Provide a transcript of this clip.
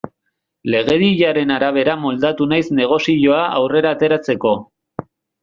Legediaren arabera moldatu naiz negozioa aurrera ateratzeko.